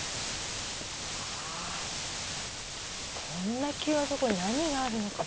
こんな急なところに何があるのか。